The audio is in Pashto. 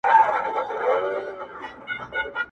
• غدار دواړو ته او دوی غدار ته غله وه -